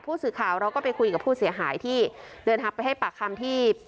ผู้สื่อข่าวเราก็ไปคุยกับผู้เสียหายที่เดินทางไปให้ปากคำที่